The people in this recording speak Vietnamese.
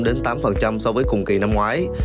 đến tám so với cùng kỳ năm ngoái